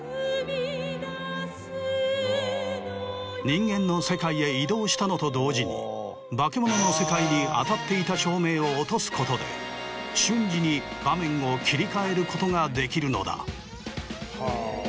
人間の世界へ移動したのと同時にバケモノの世界に当たっていた照明を落とすことで瞬時に場面を切り替えることができるのだ。